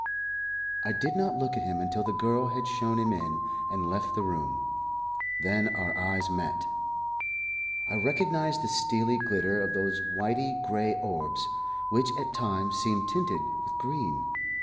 I did not look at him until the girl had shown him in and left the room; then our eyes met. I recognized the steely glitter of those whity grey orbs, which at times seemed tinted with green.